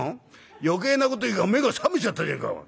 「余計なこと言うから目が覚めちゃったじゃねえかよ」。